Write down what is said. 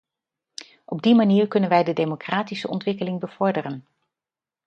Op die manier kunnen wij de democratische ontwikkeling bevorderen.